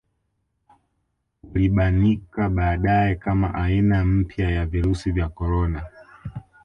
Ulibanika baadaye kama aina mpya ya virusi vya korona